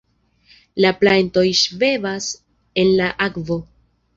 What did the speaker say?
La plantoj ŝvebas en la akvo.